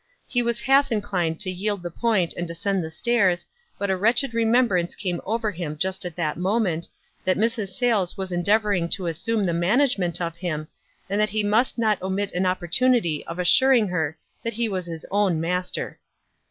He was half inclined to yield the point and descend the stairs, but a wretched re membrance came over him just at that moment, that Mrs. Sayles was endeavoring to assume the management of him, and that he must not omit an opportunity of assuring her that he was his own master.